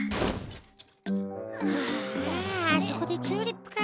はああそこでチューリップか。